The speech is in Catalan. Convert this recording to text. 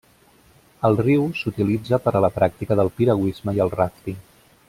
El riu s'utilitza per a la pràctica del piragüisme i el ràfting.